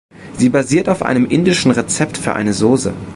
Sie basiert auf einem indischen Rezept für eine Sauce.